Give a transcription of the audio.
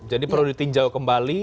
jadi perlu ditinjau kembali